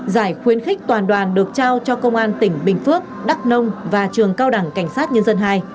giải khuyến khích toàn đoàn được trao cho công an tỉnh bình phước đắk nông và trường cao đẳng cảnh sát nhân dân hai